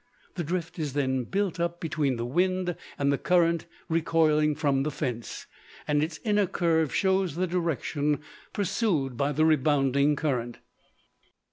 The drift is then built up between the wind and the current recoiling from the fence, and its inner curve shows the direction pursued by the rebounding current.